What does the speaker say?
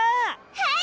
はい！